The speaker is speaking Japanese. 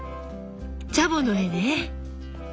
チャボの絵ね。